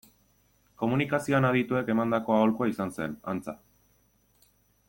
Komunikazioan adituek emandako aholkua izan zen, antza.